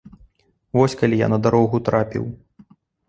Вось калі я на дарогу трапіў.